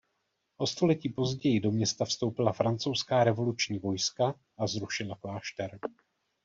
O století později do města vstoupila francouzská revoluční vojska a zrušila klášter.